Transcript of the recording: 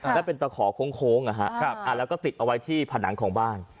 แล้วเป็นตะขอโค้งแล้วก็ติดเอาไว้ที่ผนังของบ้าน